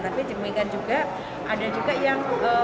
tapi demikian juga ada juga yang